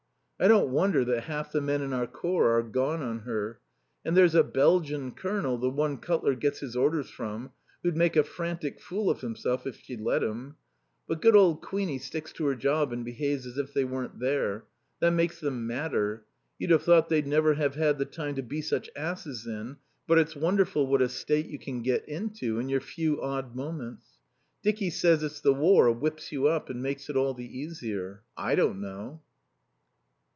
I don't wonder that half the men in our Corps are gone on her. And there's a Belgian Colonel, the one Cutler gets his orders from, who'd make a frantic fool of himself if she'd let him. But good old Queenie sticks to her job and behaves as if they weren't there. That makes them madder. You'd have thought they'd never have had the time to be such asses in, but it's wonderful what a state you can get into in your few odd moments. Dicky says it's the War whips you up and makes it all the easier. I don't know....